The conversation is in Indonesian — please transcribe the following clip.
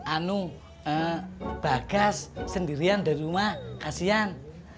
anu eh bagas sendirian dari rumah kasian